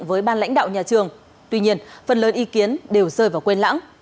với ban lãnh đạo nhà trường tuy nhiên phần lớn ý kiến đều rơi vào quên lãng